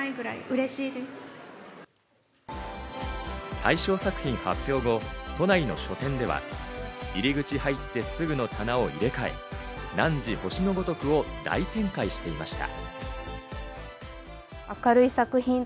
大賞作品発表後、都内の書店では入り口に入ってすぐの棚を入れ替え、『汝、星のごとく』を大展開していました。